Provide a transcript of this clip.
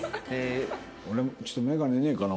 俺もちょっとメガネねえかな？